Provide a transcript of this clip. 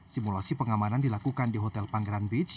simulasi pengamanan dilakukan di hotel pangeran beach